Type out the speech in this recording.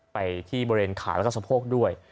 ไปที่บริเวณขาแล้วก็สะโพกด้วย